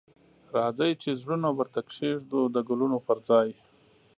راځئ چې زړونه ورته کښیږدو د ګلونو پر ځای